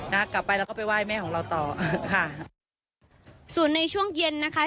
นะกลับไปแล้วก็ไปไหว้แม่ของเราต่อค่ะส่วนในช่วงเย็นนะคะ